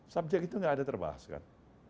subjek itu tidak ada terbahas kan